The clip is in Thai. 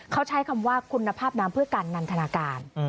เขาใช้คำว่าคุณภาพน้ำเพื่อการนันทนาการ